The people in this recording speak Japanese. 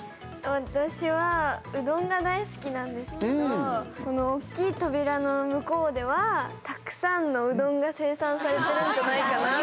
私は、うどんが大好きなんですけどこのおっきい扉の向こうではたくさんのうどんが生産されてるんじゃないかなって。